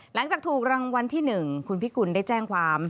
หลังจากถูกรางวัลที่๑คุณพิกุลได้แจ้งความ